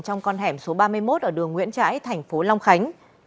trong con hẻm số ba mươi một ở đường nguyễn trãi thành phố long khánh